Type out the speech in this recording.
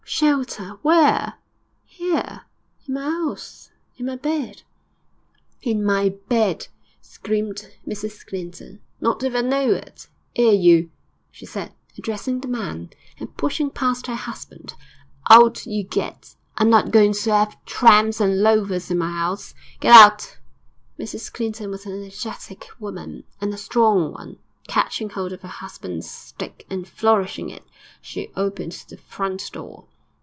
'Shelter? Where?' 'Here, in my 'ouse, in my bed.' 'In my bed!' screamed Mrs Clinton. 'Not if I know it! 'Ere, you,' she said, addressing the man, and pushing past her husband. 'Out you get! I'm not going to 'ave tramps and loafers in my 'ouse. Get out!' Mrs Clinton was an energetic woman, and a strong one. Catching hold of her husband's stick, and flourishing it, she opened the front door.